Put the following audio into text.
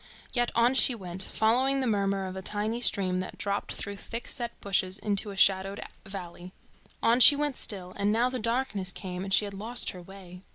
Yet on she went, following the murmur of a tiny stream that dropped through thick set bushes into a shadowed valley. On she went still, and now the darkness came, and she had lost her way.